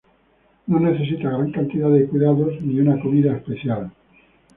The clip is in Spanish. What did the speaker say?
No necesita gran cantidad de cuidados ni una comida especial.